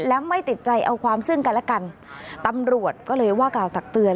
และไม่ติดใจเอาความซึ่งกันและกันตำรวจก็เลยว่ากล่าวตักเตือน